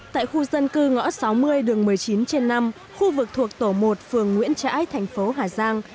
tại khu dân cư ngõ sáu mươi đường một mươi chín trên năm khu vực thuộc tổ một phường nguyễn trãi thành phố hà giang